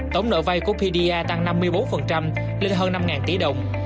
tổng nợ vay của pda tăng năm mươi bốn lên hơn năm tỷ đồng